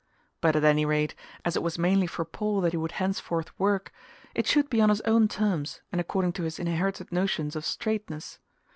But at any rate, as it was mainly for Paul that he would henceforth work, it should be on his own terms and according to his inherited notions of "straightness."